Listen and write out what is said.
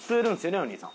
お兄さん。